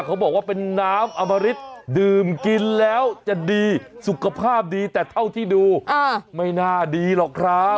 เขาบอกว่าเป็นน้ำอมริตดื่มกินแล้วจะดีสุขภาพดีแต่เท่าที่ดูไม่น่าดีหรอกครับ